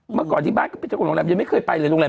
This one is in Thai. มาก่อนที่บ้านก็เป็นเจ้าของโรงแหลมยังไม่เคยไปโรงแหลม